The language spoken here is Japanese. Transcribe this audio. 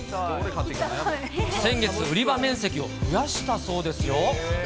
先月、売り場面積を増やしたそうですよ。